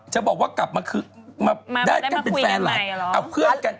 จะบอกว่ากลับมาได้เป็นแฟนไลน์เอ้าเพื่อนกัน